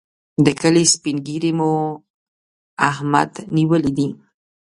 د کلي سپين ږيری مو احمد نیولی دی.